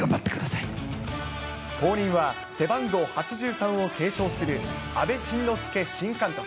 後任は、背番号８３を継承する阿部慎之助新監督。